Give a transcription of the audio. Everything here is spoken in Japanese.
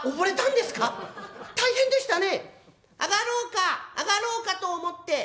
でも大変でしたね」。